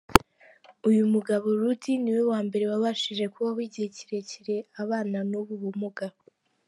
Uyu mugabo Rudy niwe wambere wabashije kubaho igihe kirekire abana n’ubu bumuga.